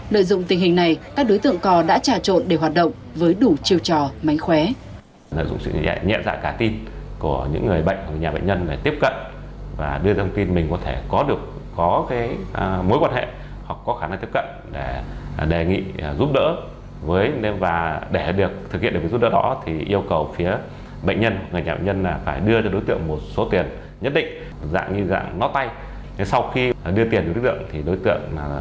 lợi dụng tình hình này các đối tượng có đã trà trộn để hoạt động với đủ chiều trò mánh khóe